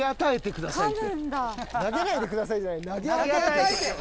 「投げないでください」じゃない「投げ与えて」。